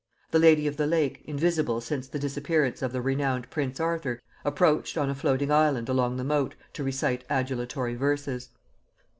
The Lady of the Lake, invisible since the disappearance of the renowned prince Arthur, approached on a floating island along the moat to recite adulatory verses.